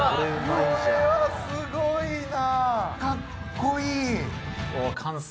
これはすごいな。